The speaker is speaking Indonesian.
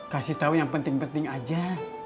kasih tahu yang penting penting aja